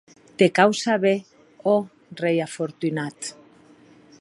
Te cau saber, ò rei afortunat!